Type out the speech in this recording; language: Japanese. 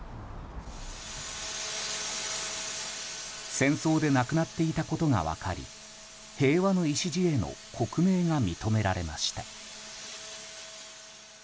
戦争で亡くなっていたことが分かり平和の礎への刻銘が認められました。